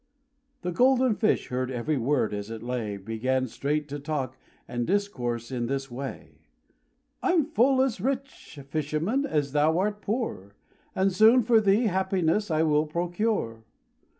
The golden fish heard every word as it lay, Began straight to talk and discourse in this way:— "I'm full as rich, fisherman, as thou art poor, And soon for thee happiness I will procure.